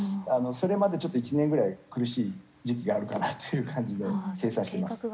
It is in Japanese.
それまでちょっと１年ぐらい苦しい時期があるかなという感じで計算してます。